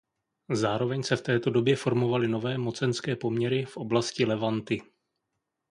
Zároveň se v této době formovaly nové mocenské poměry v oblasti Levanty.